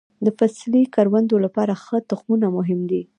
د فصلي کروندو لپاره ښه تخمونه مهم دي.